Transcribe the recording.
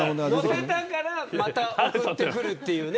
載せたからまた送ってくるという。